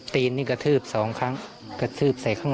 ตีนกะทืบ๒ครั้ง